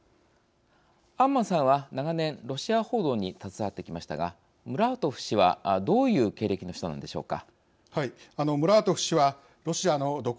安間さんは、長年ロシア報道に携わってきましたがムラートフ氏はどういう経歴の人なのでしょうか。